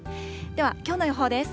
ではきょうの予報です。